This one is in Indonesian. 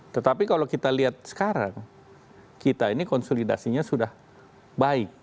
tetapi kalau kita lihat sekarang kita ini konsolidasinya sudah baik